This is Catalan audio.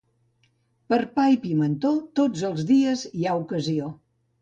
Per a pa i pimentó, tots els dies hi ha ocasió.